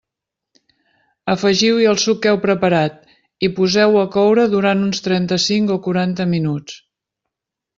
Afegiu-hi el suc que heu preparat i poseu-ho a coure durant uns trenta-cinc o quaranta minuts.